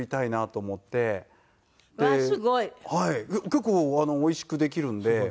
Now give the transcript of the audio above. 結構おいしくできるんで。